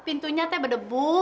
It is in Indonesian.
pintunya kan ada bu